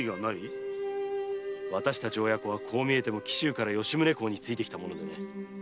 私たち親子はこう見えても紀州から吉宗公に付いてきた者でね。